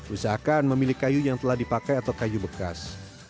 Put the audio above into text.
usahakan memilih kayu yang telah dipakai atau kayu bekas